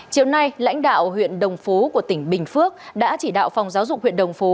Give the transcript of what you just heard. chiều nay lãnh đạo huyện đồng phú của tỉnh bình phước đã chỉ đạo phòng giáo dục huyện đồng phú